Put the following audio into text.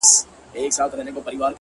• هوسېږو ژوندانه د بل جهان ته,